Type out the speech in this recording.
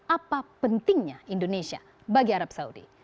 apa pentingnya indonesia bagi arab saudi